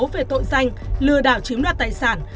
về tội danh lừa đảo chiếm đoạt tài sản